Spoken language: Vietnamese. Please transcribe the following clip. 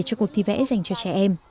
cho cuộc thi vẽ dành cho trẻ em